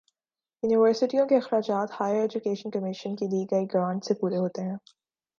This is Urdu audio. یونیورسٹیوں کے اخراجات ہائیر ایجوکیشن کمیشن کی دی گئی گرانٹ سے پورے ہوتے ہیں